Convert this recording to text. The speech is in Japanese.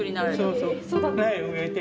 そうそう苗植えて。